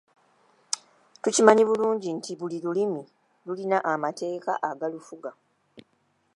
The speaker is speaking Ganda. Tukimanyi bulungi nti buli lulimi lulina amateeka agalufuga.